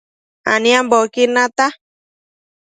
aniambocquid nata